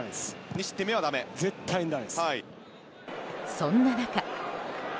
そんな中。